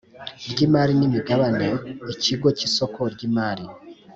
ry imari n imigabane Ikigo cy isoko ry imari